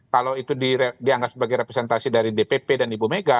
kalau itu dianggap sebagai representasi dari dpp dan ibu mega